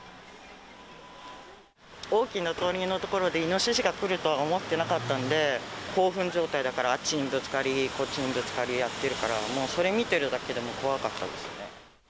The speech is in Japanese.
大きな通りの所で、イノシシが来るとは思ってなかったんで、興奮状態だから、あっちにぶつかり、こっちにぶつかりやってるから、もうそれ見てるだけでも怖かったですね。